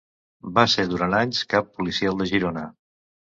Va ser durant anys cap policial de Girona.